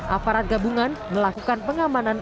aparat gabungan melakukan pengamanan